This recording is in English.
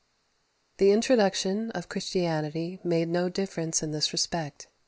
The introduction of Christianity made no difference in this respect.